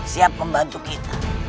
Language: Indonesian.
siap membantu kita